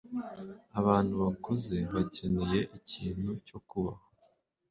Abantu bakuze bakeneye ikintu cyo kubaho.